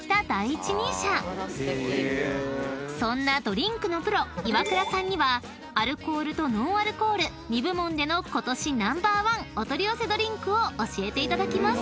［そんなドリンクのプロ岩倉さんにはアルコールとノンアルコール２部門での今年Ｎｏ．１お取り寄せドリンクを教えていただきます］